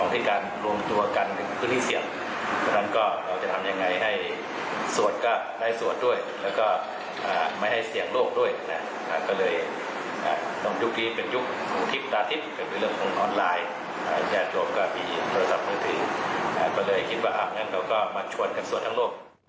หรืออาทงั้นเค้าก็มาชวดกันสวดทั้งโลก